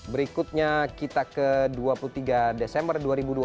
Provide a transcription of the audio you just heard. berikutnya kita ke dua puluh tiga desember dua ribu dua puluh